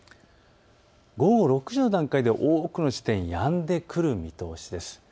午後６時の段階で多くの地点、やんでくる見通しです。